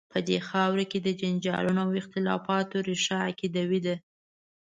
په دې خاوره کې د جنجالونو او اختلافات ریښه عقیدوي ده.